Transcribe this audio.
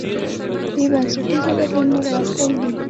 د بنسټيزو بدلونونو راوستل دي